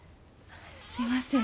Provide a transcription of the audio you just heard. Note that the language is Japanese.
すいません。